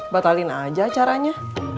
batalin aja acaranya